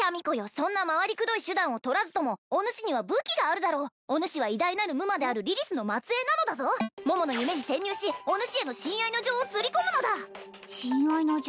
そんな回りくどい手段をとらずともおぬしには武器があるだろうおぬしは偉大なる夢魔であるリリスの末裔なのだぞ桃の夢に潜入しおぬしへの親愛の情をすり込むのだ親愛の情